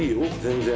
全然。